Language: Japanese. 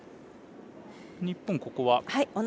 日本、ここは。